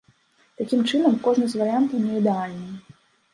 Такім чынам, кожны з варыянтаў неідэальны.